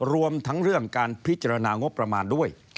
รวมทั้งเรื่องการพิจารณางบประมาณด้วย